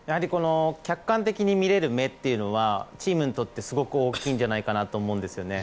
客観的に見れる目というのはチームにとってすごく大きいんじゃないかと思うんです。